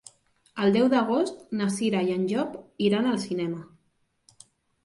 El deu d'agost na Cira i en Llop iran al cinema.